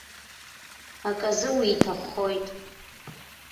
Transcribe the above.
Аказы уиҭаххоит.